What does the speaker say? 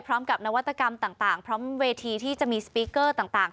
นวัตกรรมต่างพร้อมเวทีที่จะมีสปีกเกอร์ต่าง